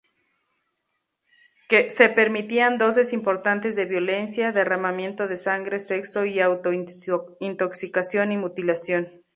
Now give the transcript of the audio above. Se permitían dosis importantes de violencia, derramamiento de sangre, sexo y auto-intoxicación y mutilación.